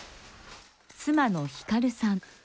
妻のひかるさん。